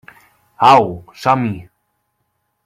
Au, som-hi.